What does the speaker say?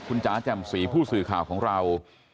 คุณจ๋าแจ่มสีผู้สื่อข่าวของเรา